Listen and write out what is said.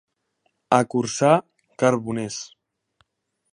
A Corçà, carboners.